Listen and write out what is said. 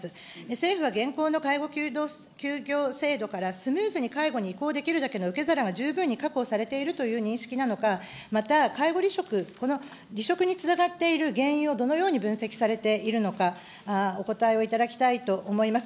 政府は現行の介護休業制度からスムーズに介護に移行できるだけの受け皿が十分に確保されているという認識なのか、また介護離職、この離職につながっている原因をどのように分析されているのか、お答えをいただきたいと思います。